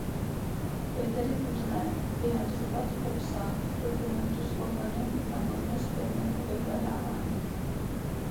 Je tedy nutné vyjadřovat obsah dokumentu s ohledem na možnost zpětného vyhledávání.